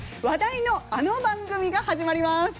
話題のあの番組が始まります。